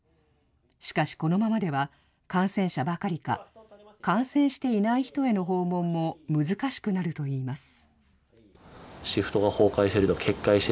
しかしこのままでは、感染者ばかりか、感染していない人への訪問も難しくなるといいます。